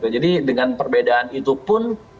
jadi dengan perbedaan itu pun